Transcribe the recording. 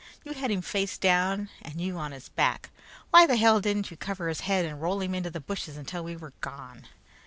You had him face down and you on his back; why the hell didn't you cover his head and roll him into the bushes until we were gone?